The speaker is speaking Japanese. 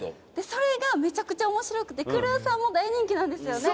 それがめちゃくちゃ面白くてクルーさんも大人気なんですよね。